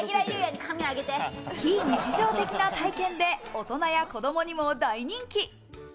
非日常的な体験で大人や子供にも大人気。